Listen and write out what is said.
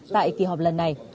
tại kỳ hợp lần này